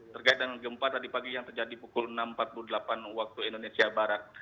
terkait dengan gempa tadi pagi yang terjadi pukul enam empat puluh delapan waktu indonesia barat